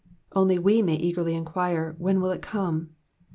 Only we may eagerly enquire, when will it come?